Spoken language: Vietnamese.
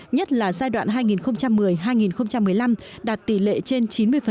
nhất là giai đoạn hai nghìn một mươi hai nghìn một mươi năm đạt tỷ lệ trên chín mươi